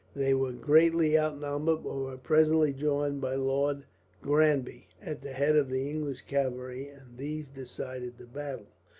They were greatly outnumbered, but were presently joined by Lord Granby, at the head of the English cavalry, and these decided the battle.